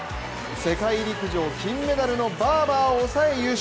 世界陸上金メダルのバーバーを抑え優勝。